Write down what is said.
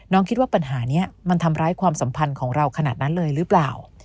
คิดว่าปัญหานี้มันทำร้ายความสัมพันธ์ของเราขนาดนั้นเลยหรือเปล่า